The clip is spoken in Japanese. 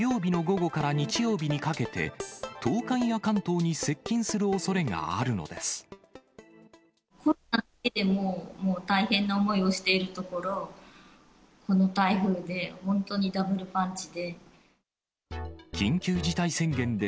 コロナだけでも、もう大変な思いをしているところ、この台風で本当にダブルパンチで。